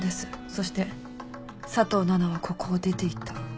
そして佐藤奈々はここを出ていった。